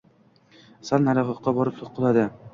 Sal nariroqqa borib quladi.